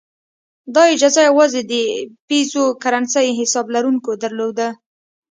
دا اجازه یوازې د پیزو کرنسۍ حساب لرونکو درلوده.